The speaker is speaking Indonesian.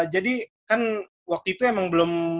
jadi kan waktu itu emang belum